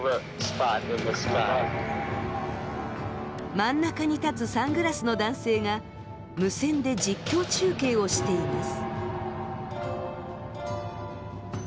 真ん中に立つサングラスの男性が無線で実況中継をしています。